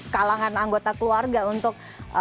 kalangan anggota keluarga untuk